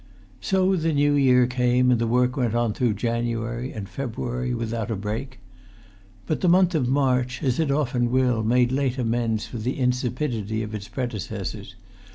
So the New Year came, and the work went on through January and February without a break. But the month of March, as it often will, made late amends for the insipidity of its predecessors.